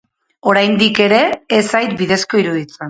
Oraindik ere ez zait bidezko iruditzen.